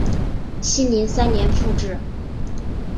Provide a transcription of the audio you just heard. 熙宁三年复置。